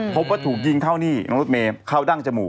พบว่าถูกยิงเข้านี่น้องรถเมย์เข้าดั้งจมูก